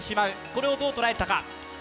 これをどう捉えていたか。